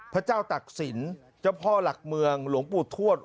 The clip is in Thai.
พระเจ้าตักศิลป์เจ้าพ่อหลักเมืองหลวงปู่ทวด